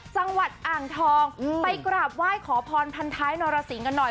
จังหวัดอ่างทองไปกราบไหว้ขอพรพันท้ายนรสิงกันหน่อย